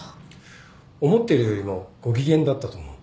思ってるよりもご機嫌だったと思う。